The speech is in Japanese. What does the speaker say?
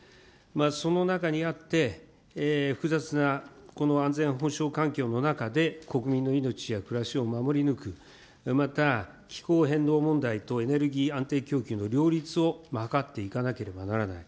その中にあって、複雑なこの安全保障環境の中で、国民の命や暮らしを守り抜く、また、気候変動問題とエネルギー安定供給の両立を図っていかなければならない。